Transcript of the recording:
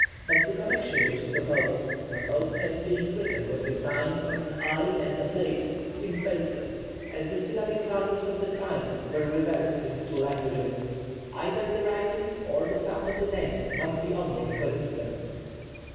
But the connection which is proposed, from both names being written with the signs of an eye and a place, seems baseless, as the syllabic values of the signs were reversed in the two languages; either the writing or the sound of the name must be only a coincidence.